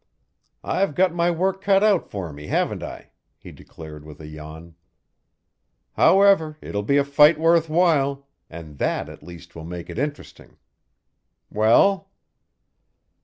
"I've got my work cut out for me, haven't I?" he declared with a yawn. "However, it'll be a fight worth while, and that at least will make it interesting. Well?"